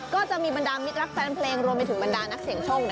ก็จะมีบรรดามิตรรักแฟนเพลงรวมไปถึงบรรดานักเสี่ยงโชค